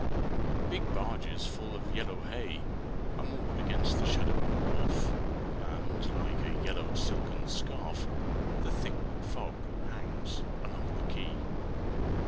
Big barges full of yellow hay Are moored against the shadowy wharf, And, like a yellow silken scarf, The thick fog hangs along the quay.